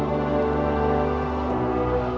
kamu anggap belum bos